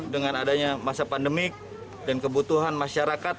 dengan adanya masa pandemik dan kebutuhan masyarakat